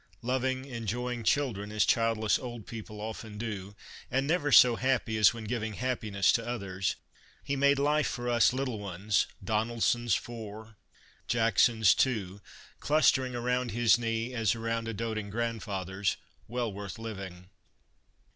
Loving, enjoying children as child less old people often do, and never so happy as when giving happiness to others, he made life for us little ones, — Donelsons, four ; Jacksons, two,— clustering around his knee as around a doting grandfather's, well worth living.